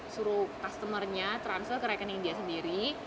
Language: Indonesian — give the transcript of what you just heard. suruh customer nya transfer ke rekening dia sendiri